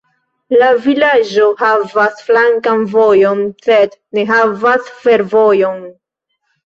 La vilaĝo havas flankan vojon sed ne havas fervojon.